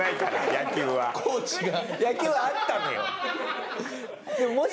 野球はあったのよ。